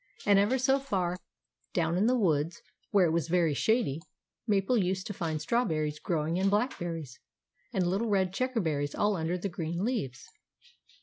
And ever so far down in the woods, where it was very shady, Mabel used to find strawberries growing, and blackberries, and little red checkerberries all under the green leaves.